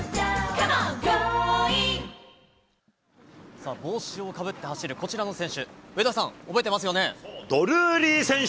さあ、帽子をかぶって走るこちらの選手、上田さん、ドルーリー選手！